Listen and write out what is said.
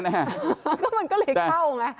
มันก็เลยเข้าไหม